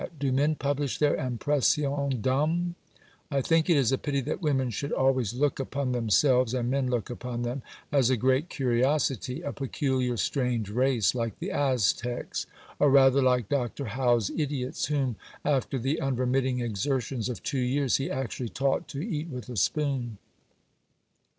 Do men publish their Impressions d'Homme? I think it is a pity that women should always look upon themselves (and men look upon them) as a great curiosity a peculiar strange race, like the Aztecs; or rather like Dr. Howe's Idiots, whom, after the "unremitting exertions of two years," he "actually taught to eat with a spoon."